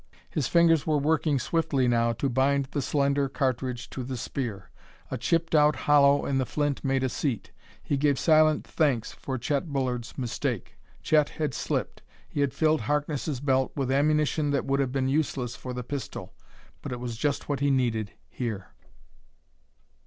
His fingers were working swiftly now to bind the slender cartridge to the spear. A chipped out hollow in the flint made a seat. He gave silent thanks for Chet Bullard's mistake. Chet had slipped; he had filled Harkness' belt with ammunition that would have been useless for the pistol but it was just what he needed here.